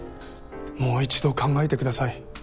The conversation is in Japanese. もう一度考えてください。